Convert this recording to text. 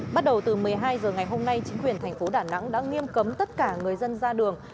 bắt đầu từ một mươi hai h ngày hôm nay chính quyền thành phố đà nẵng đã nghiêm cấm tất cả người dân ra đường